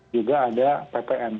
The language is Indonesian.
juga ada ppn